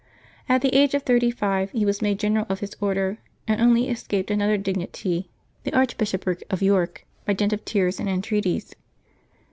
At the age of thirty five he was made general of his Order ; and only escaped another dig nity, the Archbishopric of York, by dint of tears and en treaties.